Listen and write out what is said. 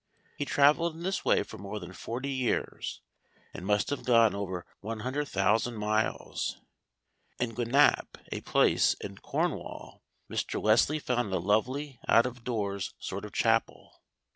He travelled in this way for more than forty years, and must have gone over 100,000 miles. In Gwennap, a place in Cornwall, Mr. Wesley found a lovely out of doors sort of chapel.